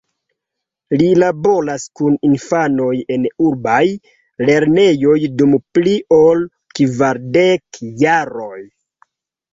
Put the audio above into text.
Li laboras kun infanoj en urbaj lernejoj dum pli ol kvardek jaroj.